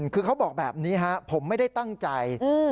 คือเขาบอกแบบนี้ฮะผมไม่ได้ตั้งใจ